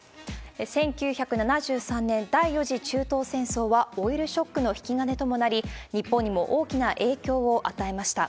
１９７３年、第４次中東戦争はオイルショックの引き金ともなり、日本にも大きな影響を与えました。